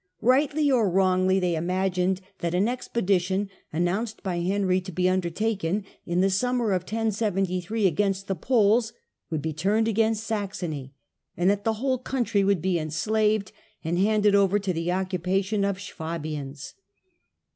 Eightly or wrongly they imagined that an expedition, announced by Henry to be under taken, in the summer of 1073, against the Poles, would jj^g^yjgjjjjQjj be turned against Saxony, and that the whole !n Saxony country woidd be enslaved and handed over to the occupation of Swabians.